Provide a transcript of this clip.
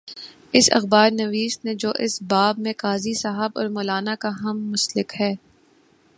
اس اخبار نویس نے جو اس باب میں قاضی صاحب اور مو لانا کا ہم مسلک ہے۔